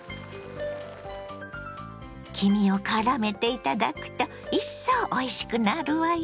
黄身をからめていただくと一層おいしくなるわよ。